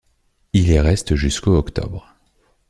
Il y reste jusqu'au octobre.